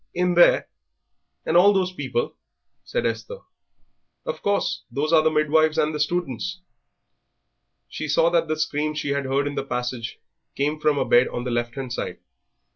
in there? and all those people?" said Esther. "Of course; those are the midwives and the students." She saw that the screams she had heard in the passage came from a bed on the left hand side.